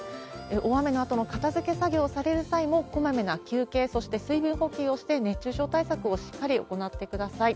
大雨のあとの片づけ作業をされる際にもこまめな休憩、そして水分補給をして、熱中症対策をしっかり行ってください。